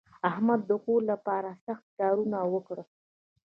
احمد د کور لپاره سخت کارونه وکړل.